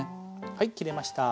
はい切れました！